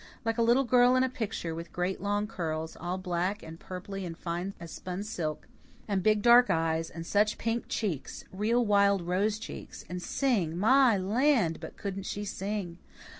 like a little girl in a picture, with great long curls, all black and purply and fine as spun silk, and big dark eyes, and such pink cheeks real wild rose cheeks. And sing! My land! But couldn't she sing!